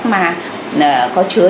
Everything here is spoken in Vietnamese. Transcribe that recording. mà có chứa